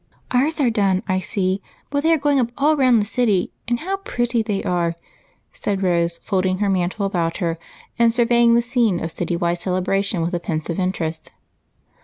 " Ours are done, I see, but they are going up all round the city, and how pretty they are," said Rose, folding her mantle about her and surveying the scene with a pensive interest.